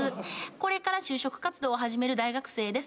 「これから就職活動を始める大学生です」